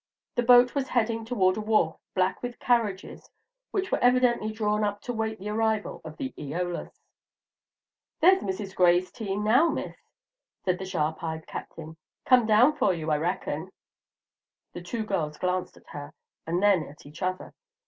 The boat was heading toward a wharf, black with carriages, which were evidently drawn up to wait the arrival of the "Eolus." "There's Mrs. Gray's team now, Miss," said the sharp eyed Captain; "come down for you, I reckon." The two girls glanced at her and then at each other.